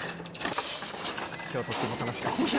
今日とっても楽しかったね。